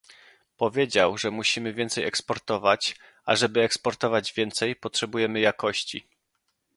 Powiedział, że musimy więcej eksportować, a żeby eksportować więcej, potrzebujemy jakości